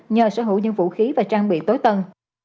nhờ sở hữu những vũ khí và trang bị tối tân